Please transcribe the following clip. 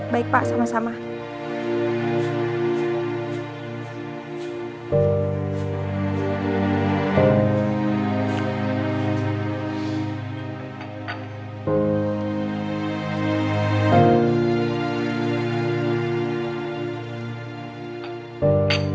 baik pak sama sama